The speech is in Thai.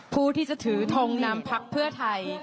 ผู้ที่จะถือทงนำพักเพื่อไทย